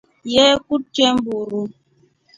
Yee kutre mburu.